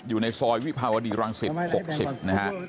อยู่ในซอยวิภาวดีรังสิต๖๐นะฮะ